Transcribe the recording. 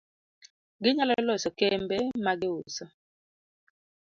Ginyalo loso kembe ma giuso